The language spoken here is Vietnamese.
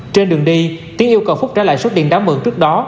trên đường đi tiến yêu cầu phúc trả lại số tiền đáng mượn trước đó